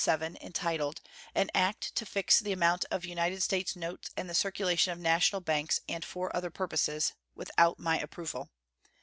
617, entitled "An act to fix the amount of United States notes and the circulation of national banks, and for other purposes," without my approval.